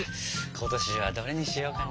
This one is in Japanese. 今年はどれにしようかな？